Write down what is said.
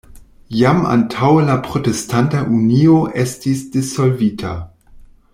Jam antaŭe la Protestanta Unio estis dissolvita.